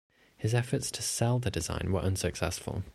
His efforts to "sell" the design were unsuccessful.